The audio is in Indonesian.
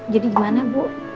jadi gimana bu